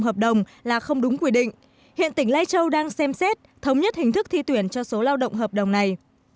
hợp đồng là không đúng quy định hiện tỉnh lai châu đang xem xét thống nhất hình thức thi tuyển cho số lao động hợp đồng này